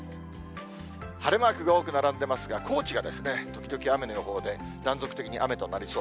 晴れマークが多く並んでますが、高知が時々雨の予報で、断続的に雨となりそう。